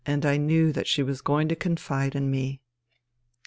And I knew that she was going to confide in me.